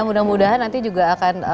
mudah mudahan nanti juga akan